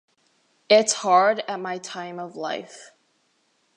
It's hard at my time of life.